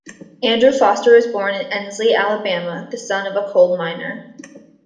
Andrew Foster was born in Ensley, Alabama, the son of a coal miner.